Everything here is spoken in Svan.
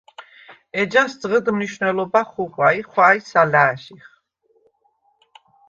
ეჯას ძღჷდ მნიშუ̂ნელობა ხუღუ̂ა ი ხუ̂ა̈ჲს ალა̄̈შიხ.